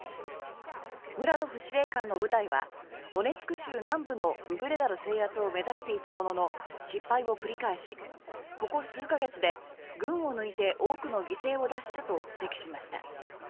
ムラドフ司令官の部隊はドネツク州南部のウグレダル制圧を目指していたものの失敗を繰り返しここ数か月で群を抜いて多くの犠牲を出したと指摘しました。